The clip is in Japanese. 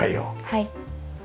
はい。